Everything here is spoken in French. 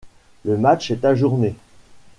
Le match est ajourné.